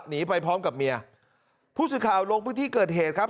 หนีไปพร้อมกับเมียผู้สื่อข่าวลงพื้นที่เกิดเหตุครับ